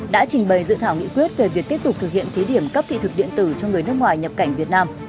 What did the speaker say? đã trình bày dự thảo nghị quyết về việc tiếp tục thực hiện thí điểm cấp thị thực điện tử cho người nước ngoài nhập cảnh việt nam